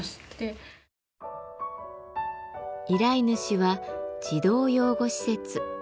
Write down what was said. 依頼主は児童養護施設。